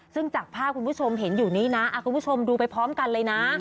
ซึ่งจากภาพคุณผู้ชมเห็นอยู่นี้นะคุณผู้ชมดูไปพร้อมกันเลยนะ